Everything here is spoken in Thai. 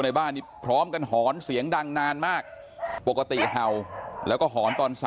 บ้านนี้พร้อมกันหอนเสียงดังนานมากปกติเห่าแล้วก็หอนตอน๓